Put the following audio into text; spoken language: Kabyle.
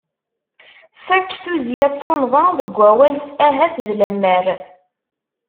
Fakk tuzzya d tunnḍa deg wawal s ahat d lemmer.